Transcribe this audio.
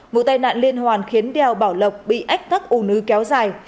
vụ tai nạn liên hoàn khiến đèo bảo lộc bị ách tắc ủ nứ kéo dài